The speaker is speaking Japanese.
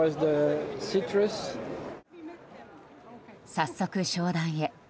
早速、商談へ。